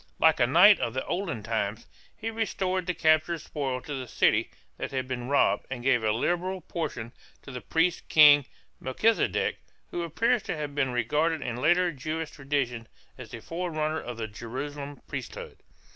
Like a knight of olden times, he restored the captured spoil to the city that had been robbed and gave a liberal portion, to the priest king Melchizedek, who appears to have been regarded in later Jewish tradition as the forerunner of the Jerusalem priesthood.